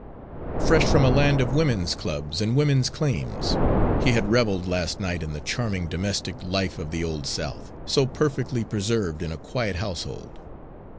Fresh from a land of women's clubs and women's claims, he had reveled last night in the charming domestic, life of the old South, so perfectly preserved in a quiet household.